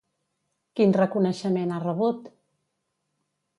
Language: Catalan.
Quin reconeixement ha rebut?